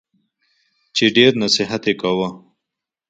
چي ډېر نصیحت یې کاوه !